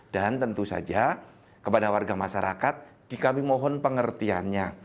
dan tentu saja kepada warga masyarakat kami mohon pengertiannya